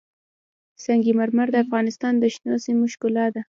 سنگ مرمر د افغانستان د شنو سیمو ښکلا ده.